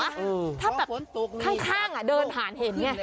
ถ้าแบบข้างเดินผ่านเห็นไง